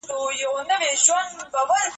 اسلام د علم په رڼا کي خپور سو.